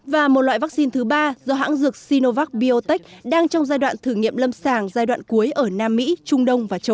và một loại vaccine thứ ba do hãng dược sinovac biotech đang trong giai đoạn thử nghiệm lâm sàng giai đoạn cuối ở nam mỹ trung đông và châu âu